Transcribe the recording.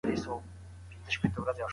تور چای د اوسپنې جذب کموي.